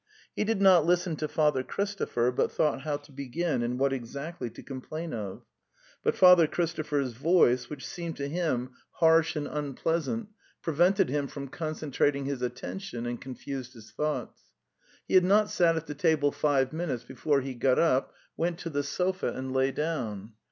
He did not listen to Father Christopher, but thought how to begin and what exactly to complain of. But Father Christopher's voice, which seemed to him harsh and " said Kuzmit The Steppe 287 unpleasant, prevented him from concentrating his at tention and confused his thoughts. He had not sat at the table five minutes before he got up, went to the sofa and lay down.